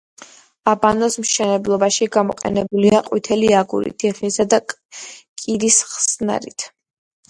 აბანოს მშენებლობაში გამოყენებულია წითელი აგური თიხისა და კირის ხსნარით.